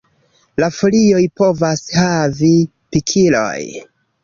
La folioj povas havi pikiloj.